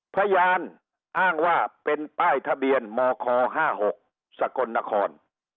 พยานอ้างว่าเป็นป้ายทะเบียนมค๕๖สกลนคร